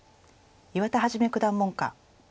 岩田一九段門下。